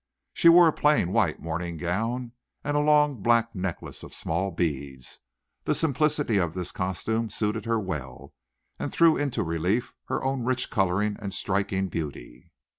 She wore a plain white morning gown, and a long black necklace of small beads. The simplicity of this costume suited her well, and threw into relief her own rich coloring and striking beauty.